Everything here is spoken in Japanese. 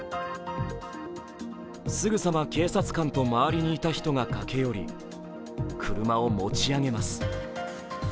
すぐさま警察官と周りにいた人が駆け寄り、車を持ち上げます。